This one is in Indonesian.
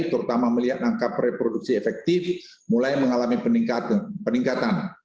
terutama melihat angka preproduksi efektif mulai mengalami peningkatan